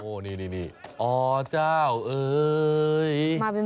โอจ้าวเห้ย